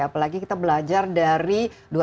apalagi kita belajar dari